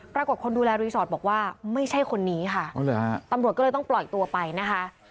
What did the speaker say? คนดูแลรีสอร์ทบอกว่าไม่ใช่คนนี้ค่ะตำรวจก็เลยต้องปล่อยตัวไปนะคะ